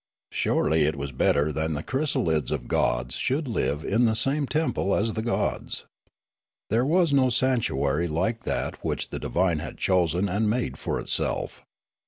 Surely it was better that the chrj'S alids of gods should live in the same temple as the gods. There was no sanctuary like that which the divine had chosen and made for itself.